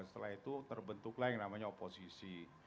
setelah itu terbentuklah yang namanya oposisi